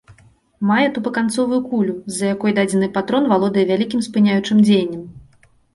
Мае тупаканцовую кулю, з-за якой дадзены патрон валодае вялікім спыняючым дзеяннем.